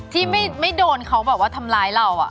ที่ไม่โดนเค้าบอกว่าทำร้ายเราอะ